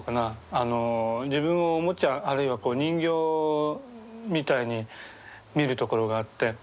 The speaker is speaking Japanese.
自分をおもちゃあるいは人形みたいに見るところがあって。